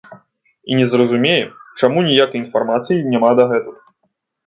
І не зразумее, чаму ніякай інфармацыя няма дагэтуль.